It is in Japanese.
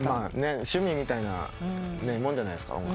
趣味みたいなもんじゃないですか。